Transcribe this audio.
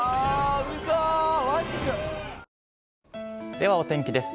ではお天気です。